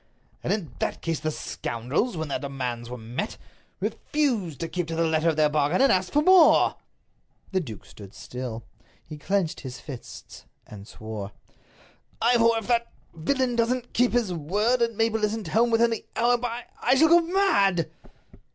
"And in that case the scoundrels, when their demands were met, refused to keep to the letter of their bargain and asked for more." The duke stood still. He clinched his fists, and swore: "Ivor, if that—villain doesn't keep his word, and Mabel isn't home within the hour, by—I shall go mad!"